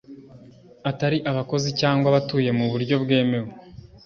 atari abakozi cyangwa abatuye mu buryo bwemewe